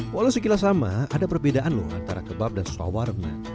walau sekilas sama ada perbedaan loh antara kebab dan sawarna